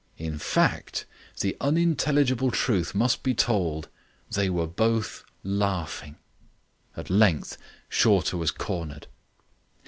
In fact, the unintelligible truth must be told. They were both laughing. At length Shorter was cornered.